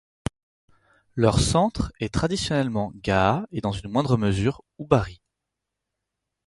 Leur centre est traditionnellement Ghât et dans une moindre mesure Oubari.